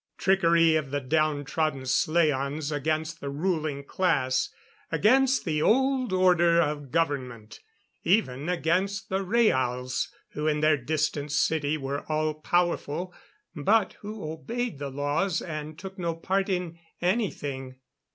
Trickery of the downtrodden slaans against the ruling class. Against the old order of government. Even against the Rhaals, who in their distant city were all powerful, but who obeyed the laws and took no part in anything.